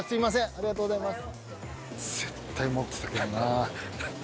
ありがとうございます。